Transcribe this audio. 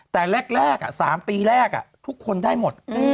แต่แรก๓ปีแรกทุกคนได้หมด